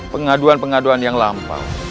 pengaduan pengaduan yang lampau